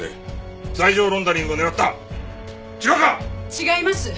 違います！